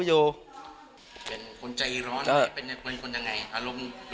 เป็นคนใจร้อนหรือเป็นคนยังไง